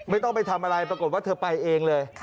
ไม่ต้องไปทำอะไรปรากฏว่าเธอไปเองเลย